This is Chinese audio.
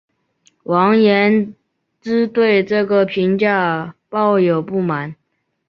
王延之对这个评价抱有不满。